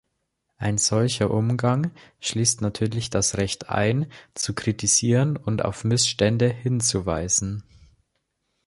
Ein solcher Umgang schließt natürlich das Recht ein, zu kritisieren und auf Missstände hinzuweisen.